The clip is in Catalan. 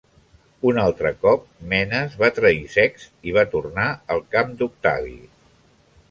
Un altre cop, Menes va trair Sext i va tornar al camp d'Octavi.